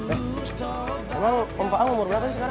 eh emang om pa'am umur berapa sih sekarang